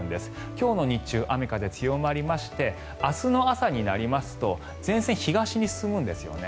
今日の日中、雨風強まりまして明日の朝になりますと前線、東に進むんですよね。